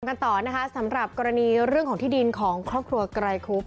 กันต่อนะคะสำหรับกรณีเรื่องของที่ดินของครอบครัวไกรคุบ